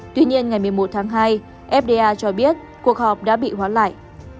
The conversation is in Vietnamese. tuy nhiên ngày một mươi một tháng hai fda cho biết cuộc họp đã bị hoán lại